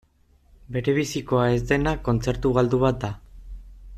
Berebizikoa ez dena kontzertu galdu bat da.